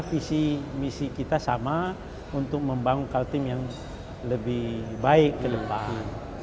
karena misi kita sama untuk membangun kaltim yang lebih baik ke depan